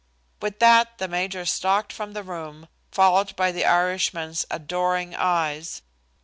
With that the major stalked from the room, followed by the Irishman's adoring eyes.